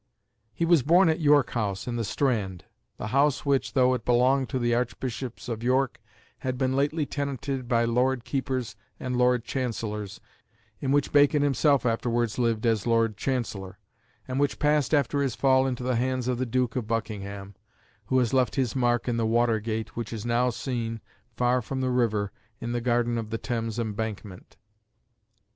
He was born at York House, in the Strand; the house which, though it belonged to the Archbishops of York, had been lately tenanted by Lord Keepers and Lord Chancellors, in which Bacon himself afterwards lived as Lord Chancellor, and which passed after his fall into the hands of the Duke of Buckingham, who has left his mark in the Water Gate which is now seen, far from the river, in the garden of the Thames Embankment.